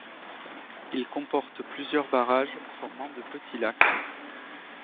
Il comporte plusieurs barrages formant de petits lacs.